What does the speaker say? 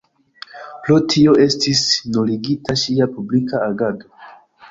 Pro tio estis nuligita ŝia publika agado.